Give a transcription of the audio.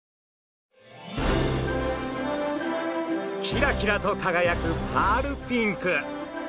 キラキラとかがやくパールピンク。